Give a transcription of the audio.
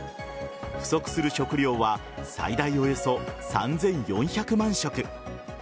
不足する食料は最大およそ３４００万食。